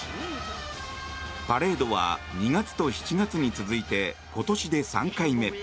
パレードは２月と７月に続いて今年で３回目。